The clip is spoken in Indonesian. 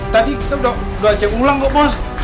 tadi kita udah cek ulang kok bos